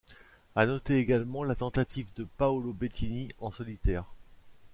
À noter également la tentative de Paolo Bettini en solitaire.